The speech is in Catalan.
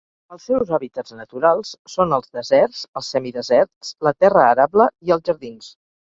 Els seus hàbitats naturals són els deserts, els semideserts, la terra arable i els jardins.